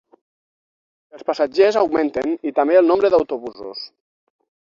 Els passatgers augmenten i també el nombre d'autobusos.